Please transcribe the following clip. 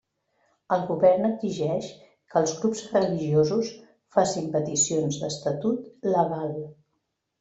El govern exigeix que els grups religiosos facin peticions d'estatut legal.